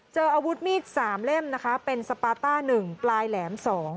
เจออาวุธมีด๓เล่มนะคะเป็นสปาต้า๑ปลายแหลม๒